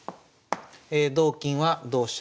同金は同飛車